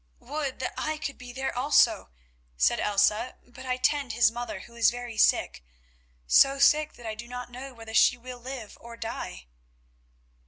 "Would that I could be there also," said Elsa, "but I tend his mother who is very sick, so sick that I do not know whether she will live or die."